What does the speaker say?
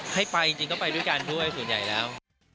ให้ไปจริงก็ไปด้วยกันด้วยส่วนใหญ่แล้ว